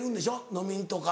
飲みにとか。